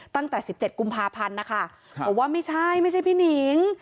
ตั้งแต่๑๗กุมภาพันธ์นะคะบอกว่าไม่ใช่ไม่ใช่พี่หนิง